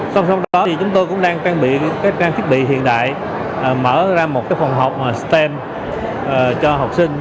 song song đó thì chúng tôi cũng đang trang bị các trang thiết bị hiện đại mở ra một phòng học stem cho học sinh